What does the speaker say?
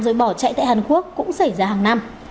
rồi bỏ chạy tại hàn quốc cũng xảy ra hàng năm